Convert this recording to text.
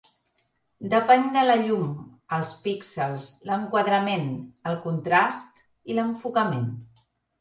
Depèn de la llum, els píxels, l’enquadrament, el contrast i l’enfocament.